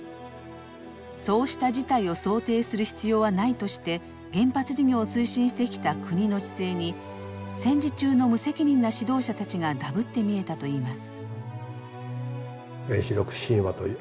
そうした事態を想定する必要はないとして原発事業を推進してきた国の姿勢に戦時中の無責任な指導者たちがダブって見えたといいます。